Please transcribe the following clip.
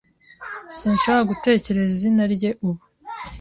Sinshobora gutekereza izina rye ubu.